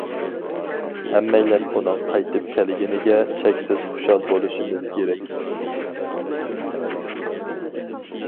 ھەممەيلەن ئۇنىڭ قايتىپ كەلگىنىگە چەكسىز خۇشال بولۇشىمىز كېرەك.